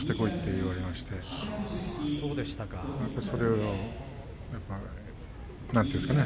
やっぱりそれをなんていうんですかね